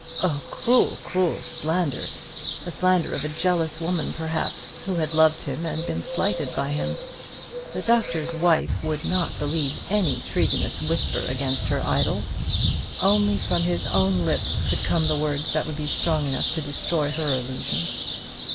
Oh, cruel, cruel slander, the slander of a jealous woman, perhaps, who had loved him and been slighted by him. The Doctor's Wife would not believe any treasonous whisper against her idol. Only from his own lips could come the words that would be strong enough to destroy her illusions.